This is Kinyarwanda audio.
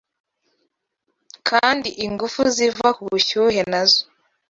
kandi ingufu ziva ku bushyuhe nazo